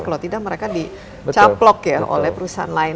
kalau tidak mereka dicaplok ya oleh perusahaan lain